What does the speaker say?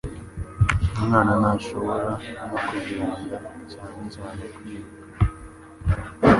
Umwana ntashobora no kugenda, cyane cyane kwiruka.